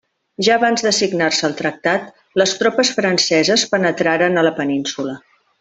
Ja abans de signar-se el tractat, les tropes franceses penetraren a la Península.